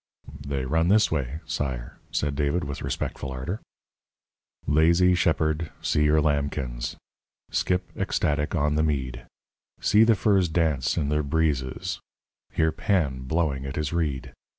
"They run this way, sire," said David, with respectful ardour: "'Lazy shepherd, see your lambkins Skip, ecstatic, on the mead; See the firs dance in the breezes, Hear Pan blowing at his reed.